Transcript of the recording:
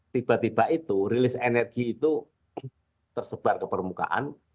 tiba tiba itu rilis energi itu tersebar ke permukaan